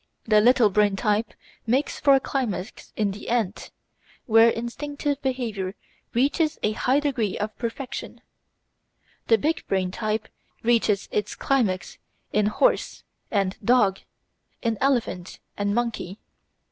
The "little brain" type makes for a climax in the ant, where instinctive behaviour reaches a high degree of perfection; the "big brain" type reaches its climax in horse and dog, in elephant and monkey.